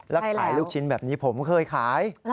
แล้วขายลูกชิ้นแบบนี้ผมเคยขาย